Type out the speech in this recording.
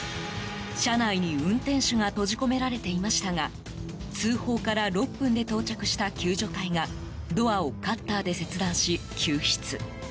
車内に運転手が閉じ込められていましたが通報から６分で到着した救助隊がドアをカッターで切断し救出。